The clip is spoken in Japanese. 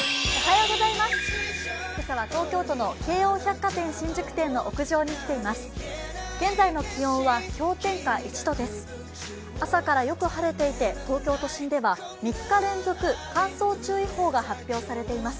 今朝は東京都の京王百貨店新宿店の屋上に来ています。